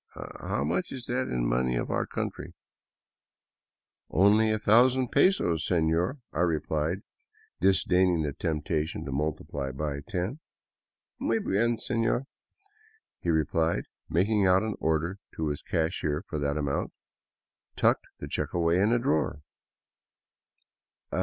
How much is that in our money of the country ?"" Only a thousand pesos, seiior," I replied, disdaining the tempta tion to multiply by ten. " Muy bien, senor," he replied, and making out an order to his cashier for that amount, tucked the check away in a drawer.